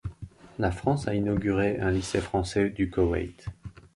La France a inauguré un lycée français du Koweït.